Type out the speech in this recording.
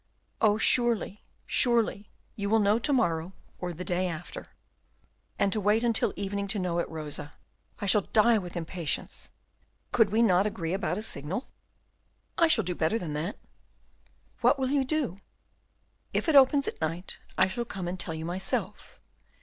"Oh, surely, surely, you will know to morrow, or the day after." "And to wait until evening to know it, Rosa! I shall die with impatience. Could we not agree about a signal?" "I shall do better than that." "What will you do?" "If it opens at night, I shall come and tell you myself.